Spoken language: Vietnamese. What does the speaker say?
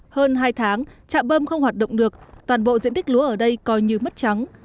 hơn hai tháng chạm bơm không hoạt động được toàn bộ diện tích lúa ở đây coi như mất trắng